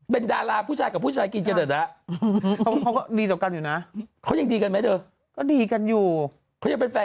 บุรีลำบุรีลำ